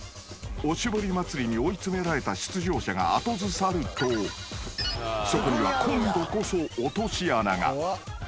［おしぼり祭りに追い詰められた出場者が後ずさるとそこには今度こそ落とし穴が］